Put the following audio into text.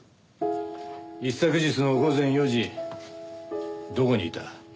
一昨日の午前４時どこにいた？